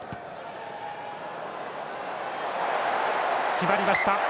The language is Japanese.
決まりました。